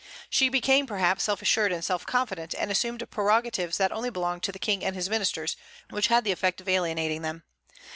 She became, perhaps, self assured and self confident, and assumed prerogatives that only belonged to the King and his ministers, which had the effect of alienating them.